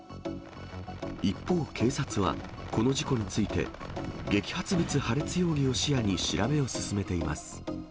一方、警察はこの事故について、激発物破裂容疑を視野に調べを進めています。